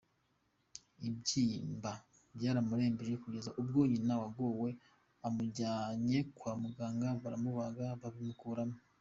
Ibyimba byaramurembeje, kugeza ubwo nyina wagowe amujyanye kwa muganga, baramubaga babikuramo.